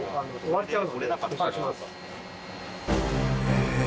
へえ。